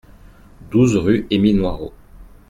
douze rue Emile Noirot